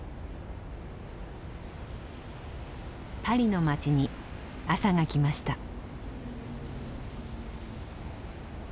パリの街に朝が来ました。